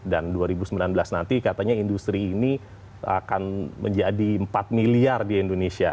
dan dua ribu sembilan belas nanti katanya industri ini akan menjadi empat miliar di indonesia